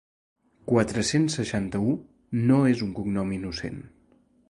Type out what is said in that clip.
Quatre-cents seixanta-u no és un cognom innocent.